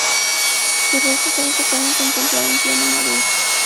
Sus restos aún se pueden contemplar en pleno Madrid.